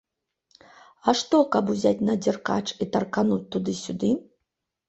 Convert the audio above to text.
А што, каб узяць на дзяркач і таркануць туды-сюды.